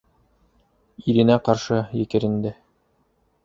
Иренә ҡаршы екеренде: